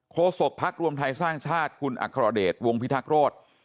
ศกภักดิ์รวมไทยสร้างชาติคุณอัครเดชวงพิทักษโรธ